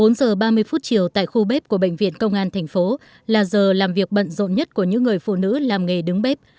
bốn giờ ba mươi phút chiều tại khu bếp của bệnh viện công an thành phố là giờ làm việc bận rộn nhất của những người phụ nữ làm nghề đứng bếp